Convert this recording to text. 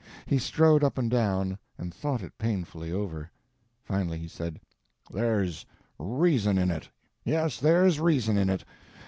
He strode up and down, and thought it painfully over. Finally he said: "There's reason in it; yes, there's reason in it.